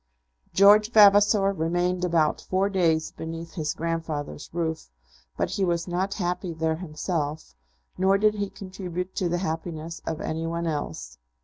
George Vavasor remained about four days beneath his grandfather's roof; but he was not happy there himself, nor did he contribute to the happiness of any one else.